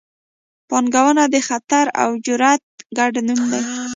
پانګونه د خطر او جرات ګډ نوم دی.